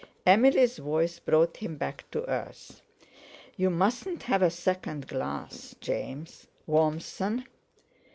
Emily's voice brought him back to earth. "You mustn't have a second glass, James. Warmson!"